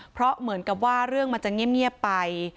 เพราะเหมือนกับว่าเรื่องมันจะเงียบไป